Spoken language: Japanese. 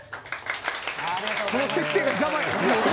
この設定が邪魔やな！